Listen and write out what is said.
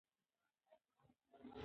د هغې د غږ نرمښت زما ستړیا له منځه یووړه.